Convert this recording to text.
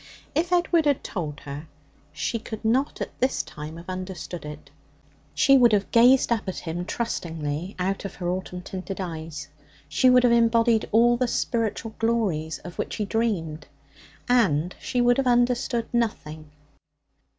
If Edward had told her, she could not at this time have understood it. She would have gazed up at him trustingly out of her autumn tinted eyes; she would have embodied all the spiritual glories of which he dreamed; and she would have understood nothing.